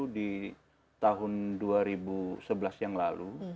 di tahun dua ribu sebelas yang lalu